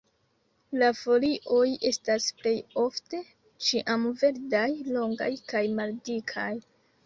La folioj estas plejofte ĉiamverdaj, longaj kaj maldikaj.